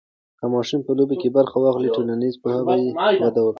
که ماشوم په لوبو کې برخه واخلي، ټولنیز پوهه یې وده کوي.